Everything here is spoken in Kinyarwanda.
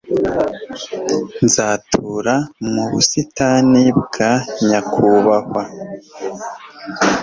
nzatura mu busitani bwa nyakubahwa